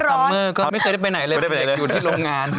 เมอร์ก็ไม่เคยได้ไปไหนเลยเบรกอยู่ที่โรงงาน